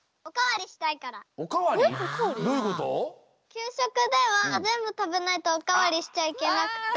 きゅうしょくではぜんぶたべないとおかわりしちゃいけなくて。